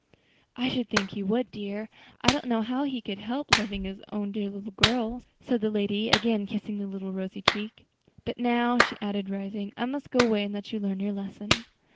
"I should think he would, dear; I don't know how he could help loving his own dear little girl," said the lady, again kissing the little rosy cheek. "But now," she added, rising, "I must go away and let you learn your lesson."